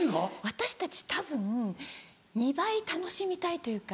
私たちたぶん２倍楽しみたいというか。